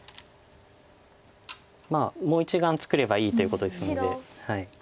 まあもう１眼作ればいいということですので。